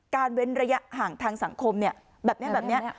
เว้นระยะห่างทางสังคมแบบนี้แบบนี้